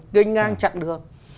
nganh ngang chặn đường